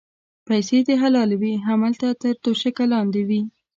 پیسې دې حلالې وې هملته تر توشکه لاندې وې.